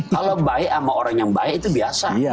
kalau baik sama orang yang baik itu biasa